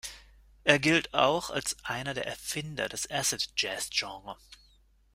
Er gilt auch als einer der Erfinder des Acid Jazz-Genre.